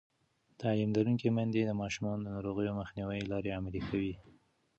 تعلیم لرونکې میندې د ماشومانو د ناروغۍ مخنیوي لارې عملي کوي.